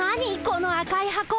この赤い箱。